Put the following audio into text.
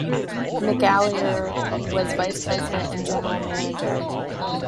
McAleer was vice president and general manager.